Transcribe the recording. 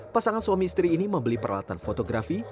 pasangan suami istri ini membeli peralatan fotografi